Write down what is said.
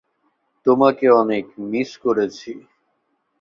তোমাকে অনেক মিস করেছি।